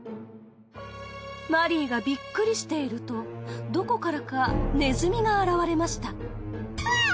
マリーがビックリしているとどこからかネズミが現れましたわぁっ！